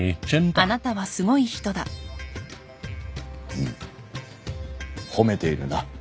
うん褒めているな。